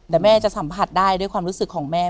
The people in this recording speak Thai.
แต่แม่จะสัมผัสได้ด้วยความรู้สึกของแม่